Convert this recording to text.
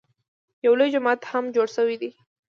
یو لوی جومات هم جوړ شوی دی.